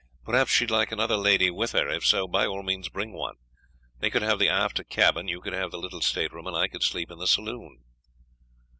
Perhaps she would like another lady with her; if so by all means bring one. They could have the after cabin, you could have the little stateroom, and I could sleep in the saloon."